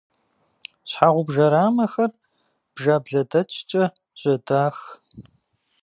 Щхьэгъубжэ рамэхэр бжаблэдэчкӏэ жьэдах.